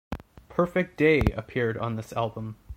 "Perfect Day" appeared on this album.